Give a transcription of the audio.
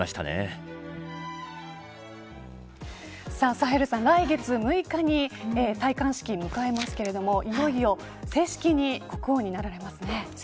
サヘルさん、来月６日に戴冠式を迎えますがいよいよ正式に国王になられますね。